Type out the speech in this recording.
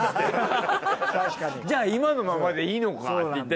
じゃあ今のままでいいのかって言って。